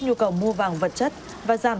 nhu cầu mua vàng vật chất và giảm